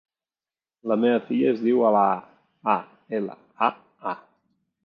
La meva filla es diu Alaa: a, ela, a, a.